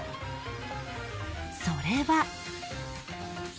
それは